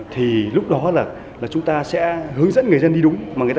thì lúc đó là chúng ta sẽ hướng dẫn người dân đi đúng